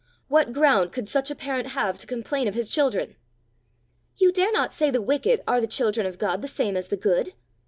What ground could such a parent have to complain of his children?" "You dare not say the wicked are the children of God the same as the good."